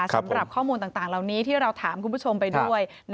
สำหรับข้อมูลต่างเหล่านี้ที่เราถามคุณผู้ชมไปด้วย